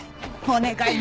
お願い